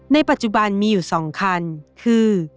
ในปัจจุบันมีอยู่๒คันคือ